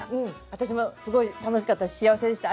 私もすごい楽しかったし幸せでした。